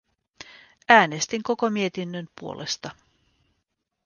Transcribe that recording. Äänestin koko mietinnön puolesta.